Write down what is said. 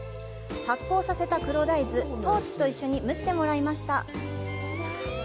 発酵させた黒大豆、トウチと一緒に蒸してもらいました。